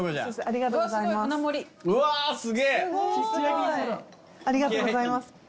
ありがとうございます。